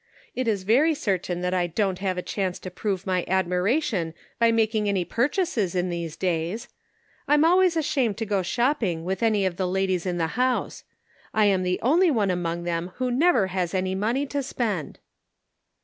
It is very certain that I don't have a chance to prove my admiration by making any purchases in these days. I'm always ashamed to go shopping with any of the ladies in the house. I am the only one among them who never has any money to spend."